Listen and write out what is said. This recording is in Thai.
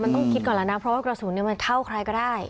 มันต้องคิดก่อนแล้วนะเพราะว่ากระสุนมันเข้าใครก็ได้